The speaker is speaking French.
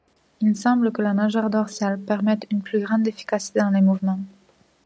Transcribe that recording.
Il semble que la nageoire dorsale permette une plus grande efficacité dans les mouvements.